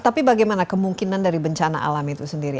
tapi bagaimana kemungkinan dari bencana alam itu sendiri